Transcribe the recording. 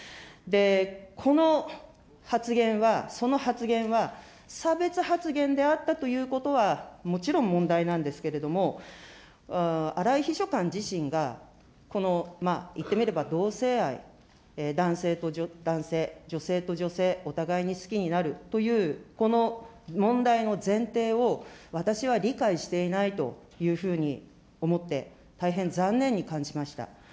この発言は、その発言は、差別発言であったということはもちろん問題なんですけれども、荒井秘書官自身が、この言ってみれば同性愛、男性と男性、女性と女性、お互いに好きになるというこの問題の前提を、私は理解していないというふうに思って、大変残念に感じました。